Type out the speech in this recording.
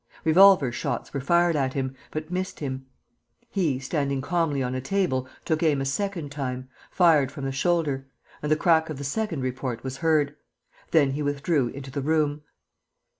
Revolver shots were fired at him, but missed him. He, standing calmly on a table, took aim a second time, fired from the shoulder; and the crack of the second report was heard. Then he withdrew into the room.